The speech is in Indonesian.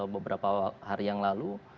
beberapa hari yang lalu